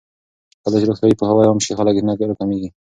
کله چې روغتیايي پوهاوی عام شي، لګښتونه راکمېږي.